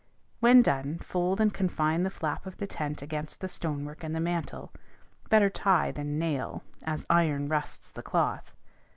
When done, fold and confine the flap of the tent against the stonework and the mantle; better tie than nail, as iron rusts the cloth.